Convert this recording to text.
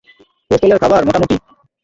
হোস্টেলের খাবার মোটামুটি।